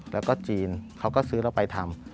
แล้วก็จีนเขาก็ซื้อเราไปทำ